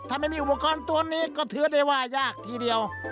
ถ้าไม่มีอุปกรณ์ตัวนี้ก็ถือได้ว่ายากทีเดียว